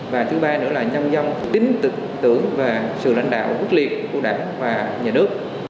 và thứ ba nữa là nhâm dâm tính tự tưởng và sự lãnh đạo quốc liệt của đảng và nhà nước